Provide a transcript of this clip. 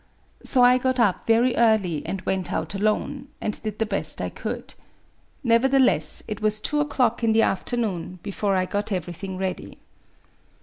So I got up very early and went out alone, and did the best I could : nevertheless, it was two o'clock in the afternoon before I got everything ready.